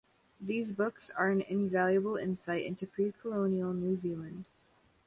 These books are an invaluable insight into pre-colonial New Zealand.